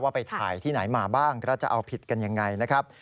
ไปถ่ายที่ไหนมาบ้างแล้วจะเอาผิดกันยังไงนะครับ